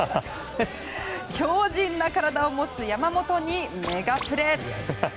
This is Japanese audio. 強じんな体を持つ山本にメガプレ。